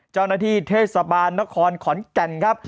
เจ้าหน้าที่เทศบาลนครขอนแก่นครับ